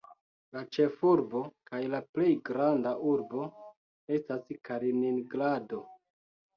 La ĉefurbo kaj la plej granda urbo estas Kaliningrado.